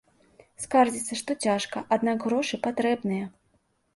Скардзіцца, што цяжка, аднак грошы патрэбныя.